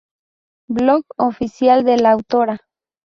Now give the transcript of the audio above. Blog oficial de la autora